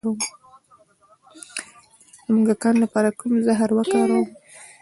د موږکانو لپاره کوم زهر وکاروم؟